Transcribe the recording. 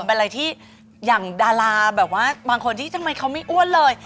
เป็นอะไรที่อย่างดาราแบบว่าบางคนที่ทำไมเขาไม่อ้วนเลย